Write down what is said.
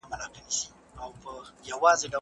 د ورزشي لوبغالو ساتنه د ټولو مسوولیت دی.